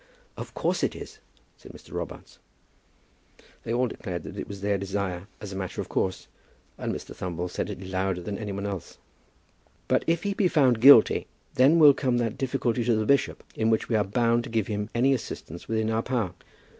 "Of course it is," said Mr. Robarts. They all declared that was their desire, as a matter of course; and Mr. Thumble said it louder than any one else. "But if he be found guilty, then will come that difficulty to the bishop, in which we are bound to give him any assistance within our power."